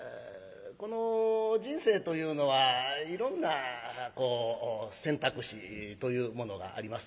人生というのはいろんな選択肢というものがあります。